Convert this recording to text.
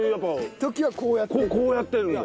時はこうやってるんだ。